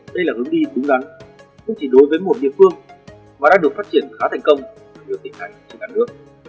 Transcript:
đây là hướng đi đúng đắn không chỉ đối với một địa phương mà đã được phát triển khá thành công ở nhiều tỉnh thành trên cả nước